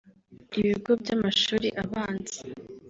ibigo byamashuri abanza